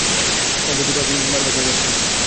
মা, ধুতি বরাবর জায়গায় থাকবে।